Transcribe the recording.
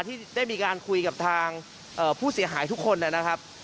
ที่ได้มีการคุยกับทางผู้เสียหายทุกคนนะครับ